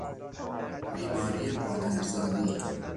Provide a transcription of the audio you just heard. بیماری مادرزادی